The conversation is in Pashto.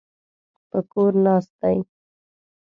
په کور ناست دی.